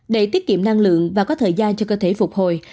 để tiết kiệm năng lượng và có thời gian cho cơ thể phục hồi